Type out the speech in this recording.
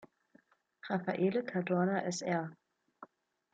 Raffaele Cadorna Sr.